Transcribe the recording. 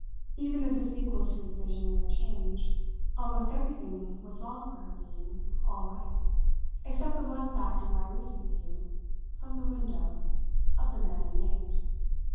Even as a sequel to his vision of her change, almost everything was wrong for her being all right except the one fact of my recent view, from the window, of the man unnamed.